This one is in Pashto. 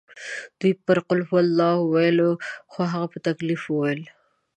دوی پرې قل هوالله وویلې خو هغه په تکلیف وویل.